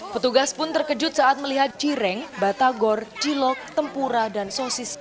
petugas pun terkejut saat melihat cireng batagor cilok tempura dan sosis